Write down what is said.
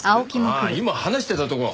ああ今話してたとこ。